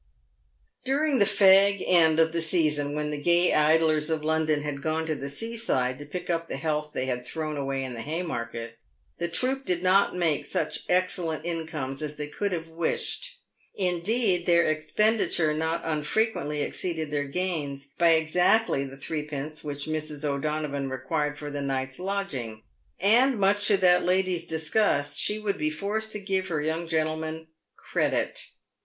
f During the fag end of the season, when the gay idlers of London had gone to the sea side to pick up the health they had thrown away in the Haymarket, the troop did not make such excellent incomes as they could have wished ; indeed, their expenditure not unfrequently exceeded their gains by exactly the threepence which Mrs. O' Do novan required for the night's lodging, and much to that lady's dis gust she would be forced to give her young gentlemen credit.